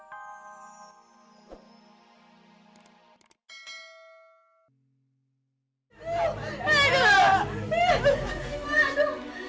sejati dan berhati hati